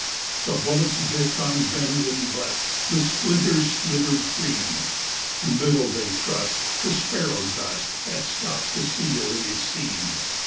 The bullets bit on bend and butt, the splinter slivered free, (Little they trust to sparrow dust that stop the seal in his sea!)